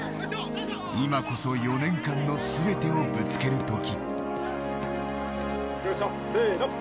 今こそ４年間の全てをぶつけるとき。